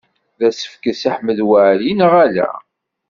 D asefk i Si Ḥmed Waɛli, neɣ ala?